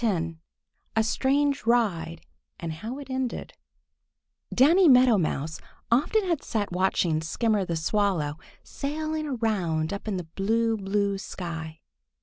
X A STRANGE RIDE AND HOW IT ENDED DANNY MEADOW MOUSE often had sat watching Skimmer the Swallow sailing around up in the blue, blue sky.